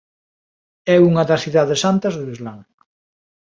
É unha das cidades santas do islam.